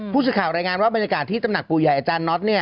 ผู้สื่อข่าวรายงานว่าบรรยากาศที่ตำหนักปู่ใหญ่อาจารย์น็อตเนี่ย